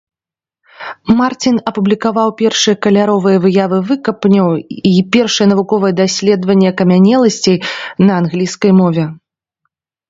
Марцін апублікаваў першыя каляровыя выявы выкапняў і першае навуковае даследаванне акамянеласцей на англійскай мове.